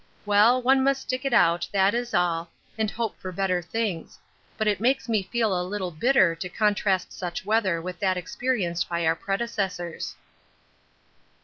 Well, one must stick it out, that is all, and hope for better things, but it makes me feel a little bitter to contrast such weather with that experienced by our predecessors.